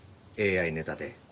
ＡＩネタで。